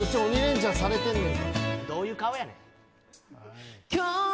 こっち鬼レンチャンされてんのに。